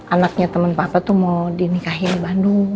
anaknya temen papa tuh mau dinikahi di bandung